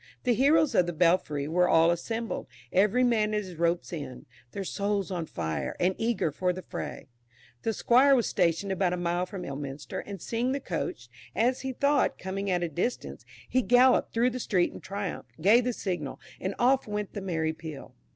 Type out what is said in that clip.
The heroes of the belfry were all assembled, every man at his rope's end, "their souls on fire, and eager for the fray;" the Squire was stationed about a mile from Ilminster, and seeing the coach, as he thought, coming at a distance, he galloped through the street in triumph, gave the signal, and off went the merry peal.